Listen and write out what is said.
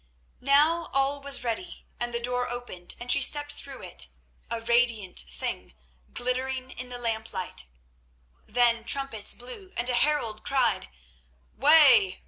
Now all was ready, and the door opened and she stepped through it, a radiant thing, glittering in the lamplight. Then trumpets blew and a herald cried: "Way!